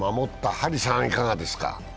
張さん、いかがですか？